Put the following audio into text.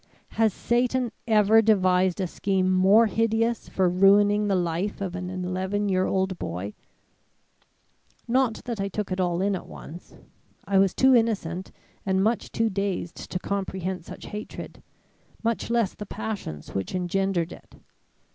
Has Satan ever devised a scheme more hideous for ruining the life of an eleven year old boy! "Not that I took it all in at once. I was too innocent and much too dazed to comprehend such hatred, much less the passions which engendered it.